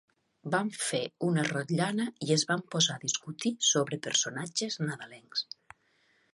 Van fer una rotllana i es van posar a discutir sobre personatges nadalencs.